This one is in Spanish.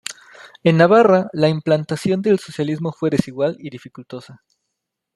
En Navarra, la implantación del socialismo fue desigual y dificultosa.